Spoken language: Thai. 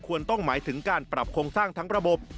ต้องหมายถึงการปรับโครงสร้างทั้งระบบ